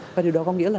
và điều đó có nghĩa là